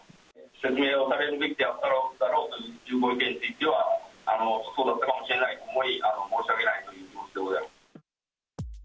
説明をするべきだったというご意見については、そうだったかもしれないと思い、申し訳ないという気持ちでございます。